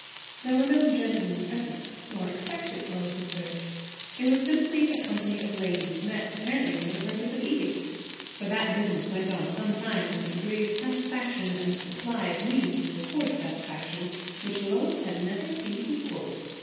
There were no gentlemen present, nor expected, Lois observed. It was simply a company of ladies, met apparently for the purpose of eating; for that business went on for some time with a degree of satisfaction, and a supply of means to afford satisfaction, which Lois had never seen equalled.